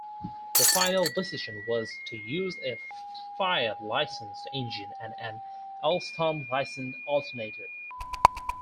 The final decision was to use a Fiat-licensed engine and an Alsthom-licensed alternator.